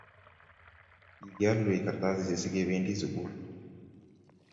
kikialwech kartasishek sikebendi sugul